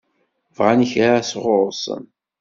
Bɣan kra sɣur-sen?